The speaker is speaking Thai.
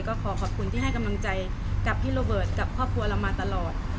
ก็ขอขอบคุณที่ให้กำลังใจกับพี่โรเบิร์ตกับครอบครัวเรามาตลอด